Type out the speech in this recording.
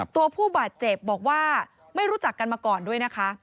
ผู้บาดเจ็บบอกว่าไม่รู้จักกันมาก่อนด้วยนะคะ